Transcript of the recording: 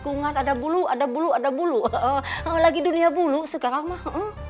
kungan ada bulu ada bulu ada bulu lagi dunia bulu sekarang mah